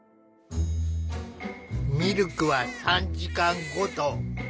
「ミルクは３時間ごと」。